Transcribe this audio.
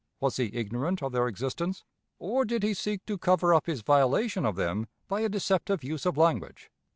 Was he ignorant of their existence, or did he seek to cover up his violation of them by a deceptive use of language.